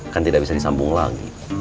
kan tidak bisa disambung lagi